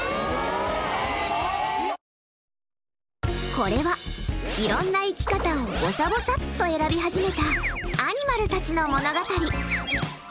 これは、いろんな生き方をぼさぼさっと選び始めたアニマルたちの物語。